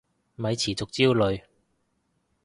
咪持續焦慮